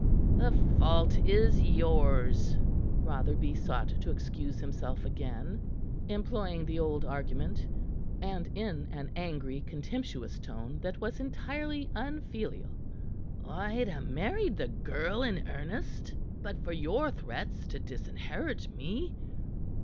"The fault is yours," Rotherby sought to excuse himself again employing the old argument, and in an angry, contemptuous tone that was entirely unfilial. "I'd ha' married the girl in earnest, but for your threats to disinherit me."